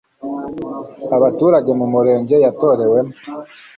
abaturage mu murenge yatorewemo